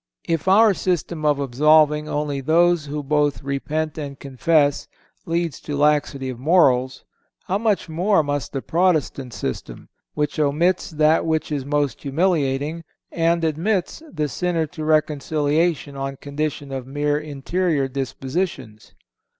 If our system of absolving those only who both repent and confess leads to laxity of morals, how much more must the Protestant system, which omits that which is most humiliating and admits the sinner to reconciliation on condition of mere interior dispositions?